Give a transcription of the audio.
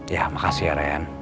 ya makasih ya ryan